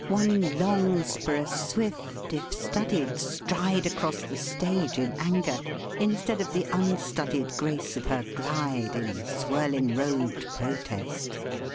One longs for a swift if studied stride across the stage in anger, instead of the unstudied grace of her glide in swirling robed protest.